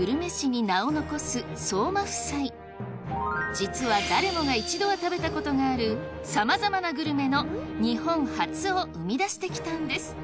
実は誰もが一度は食べたことがあるさまざまなグルメの日本初を生み出してきたんです